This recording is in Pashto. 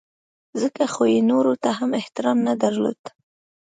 ځکه خو یې نورو ته هم احترام نه درلود.